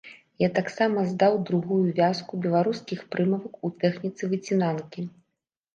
Я таксама здаў другую вязку беларускіх прымавак у тэхніцы выцінанкі.